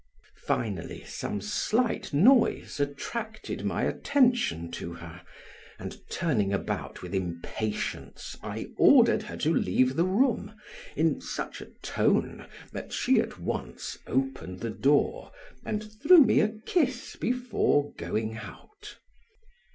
Finally, some slight noise attracted my attention to her, and turning about with impatience I ordered her to leave the room in such a tone that she at once opened the door and threw me a kiss before going out.